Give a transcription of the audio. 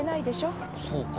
そうか。